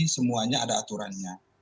semuanya ada aturannya